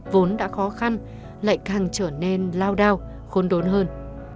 vốn đã khó khăn lại càng trở nên lao đao khôn đốn hơn